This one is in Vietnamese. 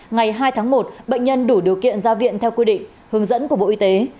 ngày hai tháng một bệnh nhân đủ điều kiện ra viện theo quy định hướng dẫn của bộ y tế